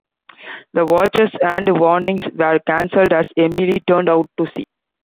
The watches and warnings were canceled as Emily turned out to sea.